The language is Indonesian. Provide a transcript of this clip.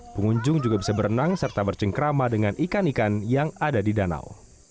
pengunjung juga bisa berenang serta bercengkrama dengan ikan ikan yang ada di danau